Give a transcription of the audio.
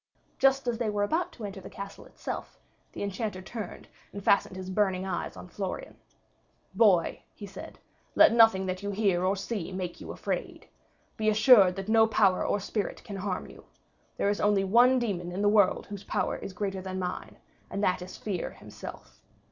Just as they were about to enter the castle itself, the Enchanter turned, and fastened his burning eyes on Florian. "Boy," said he, "let nothing that you hear or see make you afraid. Be assured that no power or spirit can harm you. There is only one demon in the world whose power is greater than mine, and that is Fear himself.